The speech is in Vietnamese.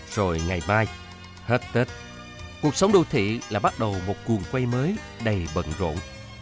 rồi ngày mai hết tết cuộc sống đô thị là bắt đầu một cuồng quay mới đầy bận rộn